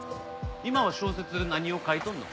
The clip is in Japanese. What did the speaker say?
今は小説何を書いとんの？